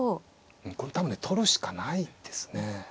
うんこれ多分ね取るしかないですね。